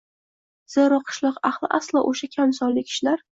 Zero, qishloq ahli aslo o‘sha kam sonli kishilar